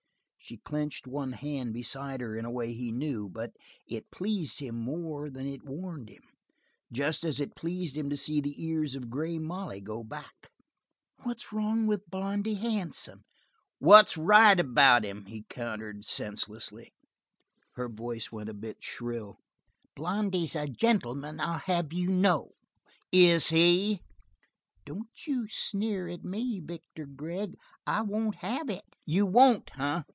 She clenched one hand beside her in a way he knew, but it pleased him more than it warned him, just as it pleased him to see the ears of Grey Molly go back. "What's wrong about Blondy Hansen?" "What's right about him?" he countered senselessly. Her voice went a bit shrill. "Blondy is a gentleman, I'll have you know." "Is he?" "Don't you sneer at me, Victor Gregg. I won't have it!" "You won't, eh?"